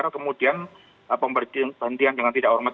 kemudian pemberhentian dengan tidak hormat